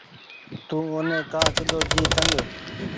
تو اوني ڪآ ڪۮو جي تنگ۔